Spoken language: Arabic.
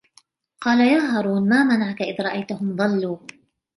قال يا هارون ما منعك إذ رأيتهم ضلوا